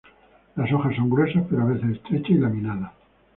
Las hojas son gruesas, pero a veces estrechas y laminadas.